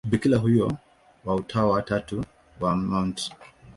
Bikira huyo wa Utawa wa Tatu wa Mt.